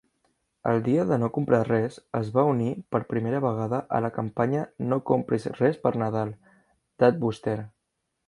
El "Dia de no comprar res" es va unir per primera vegada a la campanya "No compris res per Nadal" d'Adbuster.